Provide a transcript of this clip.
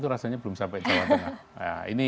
rasanya belum sampai jawa tengah ini